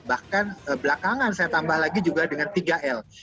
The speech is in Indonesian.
bahkan belakangan saya tambah lagi juga dengan tiga l